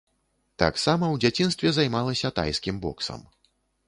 Таксама ў дзяцінстве займалася тайскім боксам.